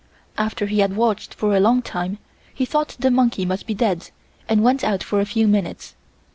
After he had watched for a long time he thought the monkey must be dead and went out for a few minutes.